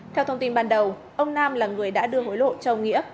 theo thông tin ban đầu ông nam là người đã đưa hối lộ cho ông nghĩa